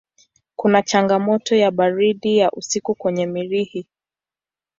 Kuna changamoto ya baridi ya usiku kwenye Mirihi.